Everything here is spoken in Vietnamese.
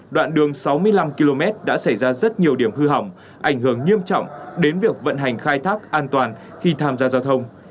đoạn đường sáu mươi năm km đã xảy ra rất nhiều điểm hư hỏng ảnh hưởng nghiêm trọng đến việc vận hành khai thác an toàn khi tham gia giao thông